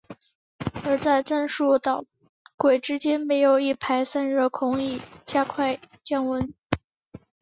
而在战术导轨之间设有一排散热孔以加快降温。